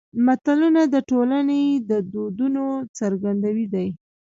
متلونه د ټولنې د دودونو څرګندوی دي